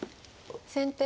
先手